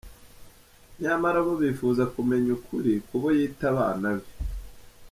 nyamara bo bifuza kumenya ukuri kubo yita abana be.